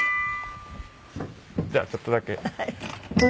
じゃあちょっとだけ。